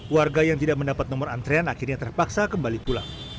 warga yang tidak mendapat nomor antrean akhirnya terpaksa kembali pulang